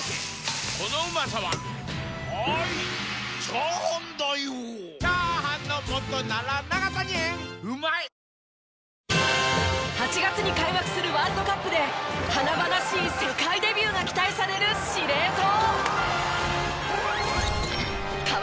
「ジョイマン？」８月に開幕するワールドカップで華々しい世界デビューが期待される司令塔。